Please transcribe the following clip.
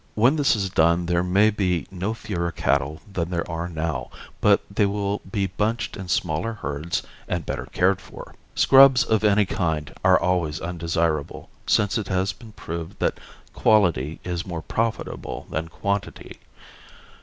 When this is done there may be no fewer cattle than there are now but they will be bunched in smaller herds and better cared for. Scrubs of any kind are always undesirable, since it has been proved that quality is more profitable than quantity.